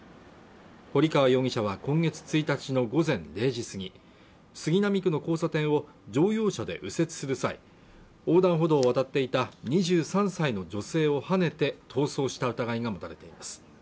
堀河容疑者は今月１日の午前０時過ぎ杉並区の交差点を乗用車で右折する際横断歩道を渡っていた２３歳の女性をはねて逃走した疑いが持たれています